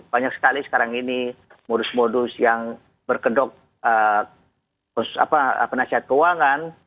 banyak sekali sekarang ini modus modus yang berkedok penasihat keuangan